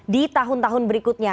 di tahun tahun berikutnya